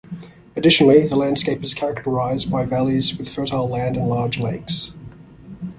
Additionally, the landscape is characterized by valleys with fertile land and large lakes.